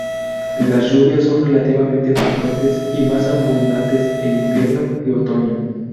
Las lluvias son relativamente frecuentes y más abundantes en invierno y otoño.